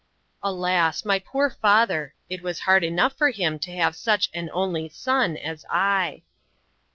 Alas! my poor father, it was hard enough for him to have such an "only son" as I.